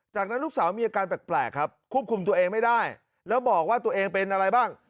จากนั้นลูกสาวมีอาการแปลกครับควบคุมตัวเองไม่ได้แล้วบอกว่าตัวเองเป็นอะไรบ้าง